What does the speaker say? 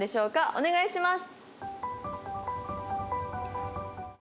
お願いします。